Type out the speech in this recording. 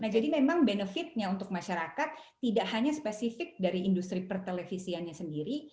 jadi memang benefitnya untuk masyarakat tidak hanya spesifik dari industri pertelevisiannya sendiri